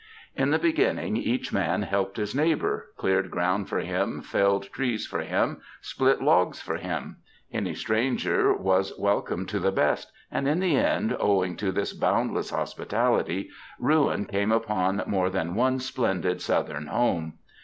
In the beginning each man helped his neighbour; cleared ground for him, felled trees for him, split logs for him. Any stranger was welcome to the best, and in the end, owing to this boundless hospitality, ruin came upon more than one splendid southern home.